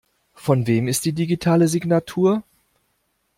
Von wem ist die digitale Signatur?